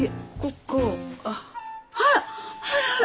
あらあら！